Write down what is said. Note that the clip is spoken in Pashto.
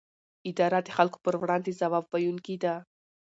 اداره د خلکو پر وړاندې ځواب ویونکې ده.